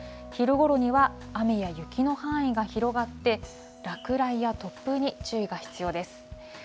昼ごろには雨や雪の範囲が広がって、落雷や突風に注意が必要です。